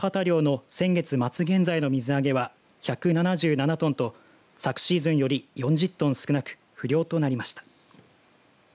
漁の先月末現在の水揚げは１７７トンと、昨シーズンより４０トン少なく不漁となりました。